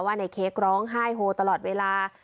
ในเค้กร้องไห้โฮตลอดเวลา